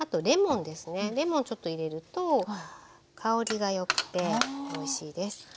レモンちょっと入れると香りがよくておいしいです。